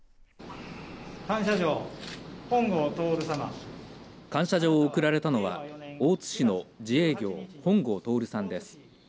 感謝状、本郷徹様感謝状を贈られたのは大津市の自営業本郷徹さんです。